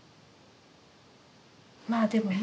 まあでもね